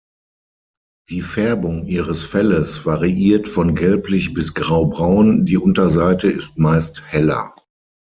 Die Färbung ihres Felles variiert von gelblich bis graubraun, die Unterseite ist meist heller.